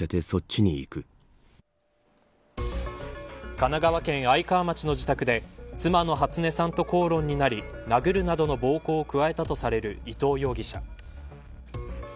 神奈川県愛川町の自宅で妻の初音さんと口論になり殴るなどの暴行を加えたとされる伊藤容疑者。